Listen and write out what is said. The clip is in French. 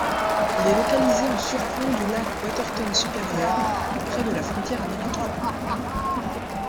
Il est localisé en surplond du lac Waterton Supérieur, près de la frontière américaine.